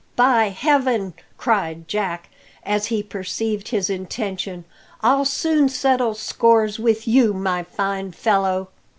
"By Heaven!" cried Jack, as he perceived his intention, "I'll soon settle scores with you, my fine fellow."